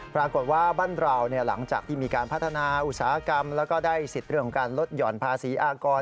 ปรากฏว่าบ้านเราหลังจากที่มีการพัฒนาอุตสาหกรรมแล้วก็ได้สิทธิ์เรื่องของการลดหย่อนภาษีอากร